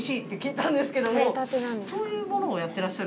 そういうものやってやっしゃる？